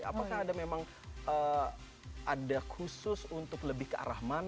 apakah ada memang ada khusus untuk lebih ke arah mana